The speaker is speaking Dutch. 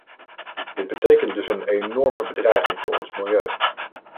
Dit betekent dus een enorme bedreiging voor ons milieu.